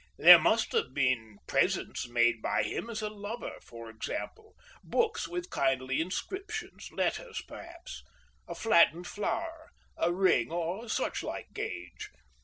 There must have been presents made by him as a lover, for example—books with kindly inscriptions, letters perhaps, a flattened flower, a ring, or such like gage.